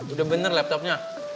udah bener laptopnya